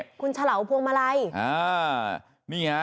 เอาดิคุณฉลาวพวงมาลัย